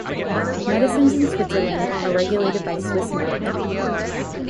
Medicines in Switzerland are regulated by Swissmedic.